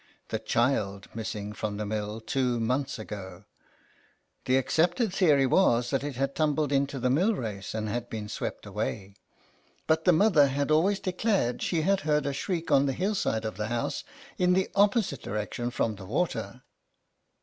The child missing from the mill two months ago — the accepted theory was that it had tumbled into the mill race and been swept away; but the mother had always declared she had heard a shriek on the hill side of the house, in the opposite direction from the water.